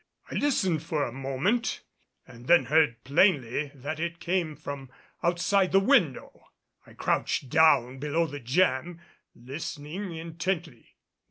I listened for a moment and then heard plainly that it came from outside the window. I crouched down below the jamb listening intently.